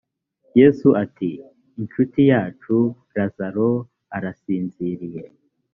yesu ati “incuti yacu lazaro arasinziriye”